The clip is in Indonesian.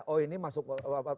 oh ini masuk ke warna gini